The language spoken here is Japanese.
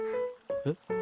えっ？